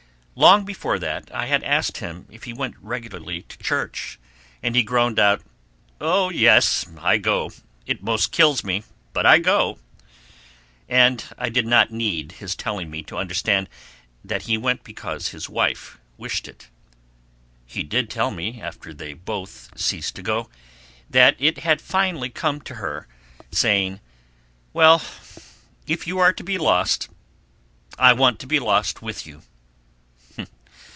Long before that I had asked him if he went regularly to church, and he groaned out: "Oh yes, I go. It 'most kills me, but I go," and I did not need his telling me to understand that he went because his wife wished it. He did tell me, after they both ceased to go, that it had finally come to her saying, "Well, if you are to be lost, I want to be lost with you."